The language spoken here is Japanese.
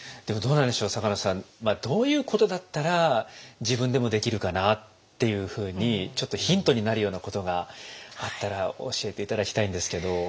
でもどうなんでしょう坂野さんどういうことだったら自分でもできるかなっていうふうにちょっとヒントになるようなことがあったら教えて頂きたいんですけど。